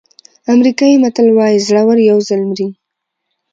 امریکایي متل وایي زړور یو ځل مري.